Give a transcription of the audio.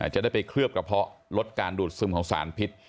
จะได้ไปเคลือบกระเพาะลดการดูดซึมของสารพิษ